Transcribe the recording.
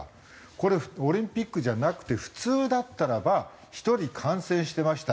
これオリンピックじゃなくて普通だったらば１人感染してました。